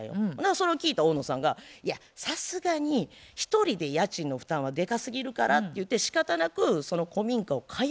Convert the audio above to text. それを聞いた大野さんがいやさすがに一人で家賃の負担はでかすぎるからってゆうてしかたなくその古民家を解約することになってん。